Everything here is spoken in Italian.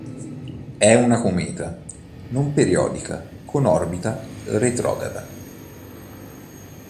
È una cometa non periodica con orbita retrograda.